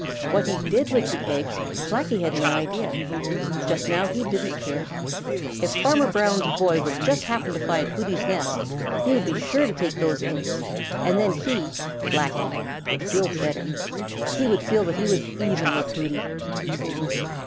What he did with the eggs, Blacky had no idea. Just now he didn't care. If Farmer Brown's boy would just happen to find Hooty's nest, he would be sure to take those eggs, and then he, Blacky, would feel better. He would feel that he was even with Hooty.